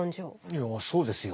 いやそうですよ。